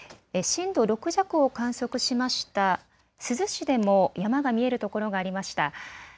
震度６弱を観測しました珠洲市でも山が見えるところがありました。